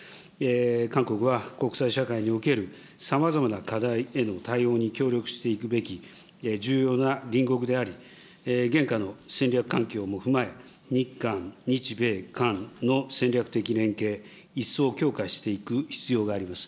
韓国は国際社会におけるさまざまな課題への対応に協力していくべき重要な隣国であり、現下の戦略環境も踏まえ、日韓、日米韓の戦略的連携、一層強化していく必要があります。